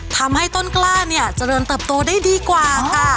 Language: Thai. ทำให้ต้นกล้าเจริญเติบโตได้ดีกว่า